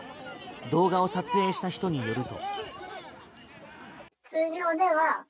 動画を撮影した人によると。